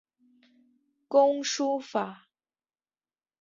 工书法。